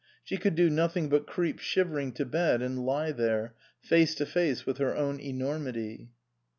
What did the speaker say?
She could do nothing but creep shivering to bed and lie there, face to face with her own enormity.